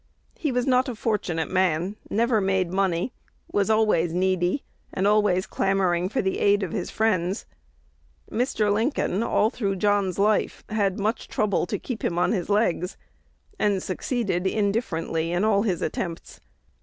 He was not a fortunate man; never made money; was always needy, and always clamoring for the aid of his friends. Mr. Lincoln, all through John's life, had much trouble to keep him on his legs, and succeeded indifferently in all his attempts.